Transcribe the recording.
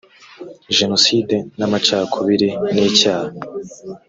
jenoside n amacakubiri nicyaha